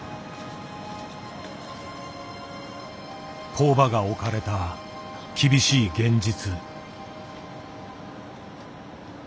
工場が置かれた厳しい現実。